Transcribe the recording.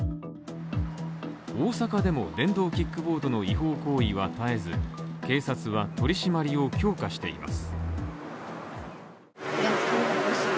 大阪でも電動キックボードの違法行為は絶えず、警察は取り締まりを強化しています。